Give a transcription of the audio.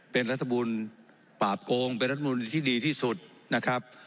เป็นรัฐบุญปราบโกงเป็นรัฐมนุนที่ดีที่สุดนะครับ